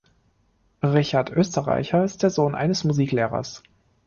Richard Oesterreicher ist der Sohn eines Musiklehrers.